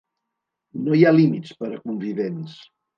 No hi ha límits per a convivents.